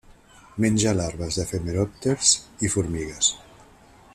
Menja larves d'efemeròpters i formigues.